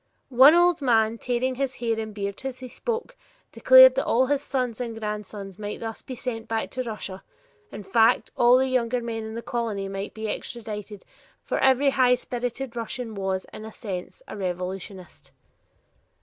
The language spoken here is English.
One old man, tearing his hair and beard as he spoke, declared that all his sons and grandsons might thus be sent back to Russia; in fact, all of the younger men in the colony might be extradited, for every high spirited young Russian was, in a sense, a revolutionist.